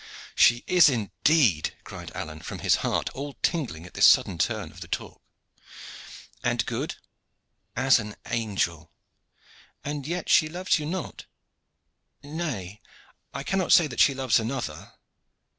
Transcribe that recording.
"She is indeed," cried Alleyne from his heart, all tingling at this sudden turn of the talk. "And good?" "As an angel." "And yet she loves you not?" "Nay, I cannot say that she loves another."